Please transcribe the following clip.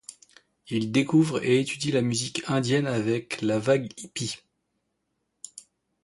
Il découvre et étudie la musique indienne avec la vague hippie.